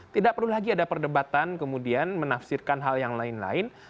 tidak perlu lagi ada perdebatan kemudian menafsirkan hal yang lain lain